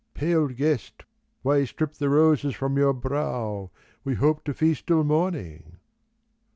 " Pale guest, why strip the roses from your brow ? We hope to feast till morning."